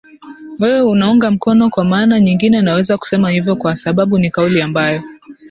wewe unaunga mkono kwa maana nyingine naweza kusema hivyo kwa sababu ni kauli ambayo